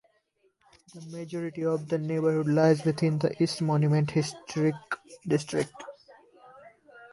The majority of the neighborhood lies within the East Monument Historic District.